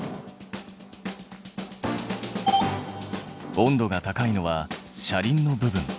温度が高いのは車輪の部分。